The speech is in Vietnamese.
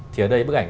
thì ở đây bức ảnh